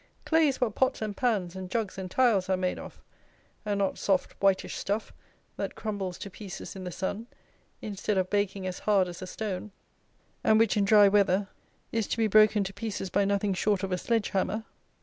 Clay is what pots and pans and jugs and tiles are made of; and not soft, whitish stuff that crumbles to pieces in the sun, instead of baking as hard as a stone, and which, in dry weather, is to be broken to pieces by nothing short of a sledge hammer.